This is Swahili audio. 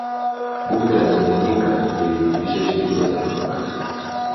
Bunge la Tanganyika lilipitisha Sheria za Muungano